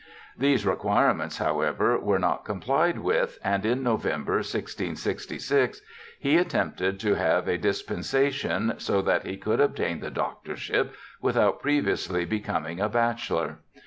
These requirements, however, were not complied with, and in November, 1666, he attempted to have a dispen sation so that he could obtain the doctorship without previously becoming a bachelor.